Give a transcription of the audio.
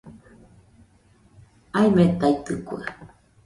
Aimetaitɨkue